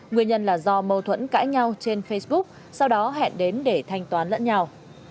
nguyên nhân là do mâu thuẫn cãi nhau trên facebook sau đó hẹn đến để thanh toán lẫn nhau